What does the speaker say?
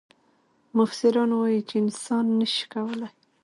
مفسران وايي چې انسان نه شي کولای.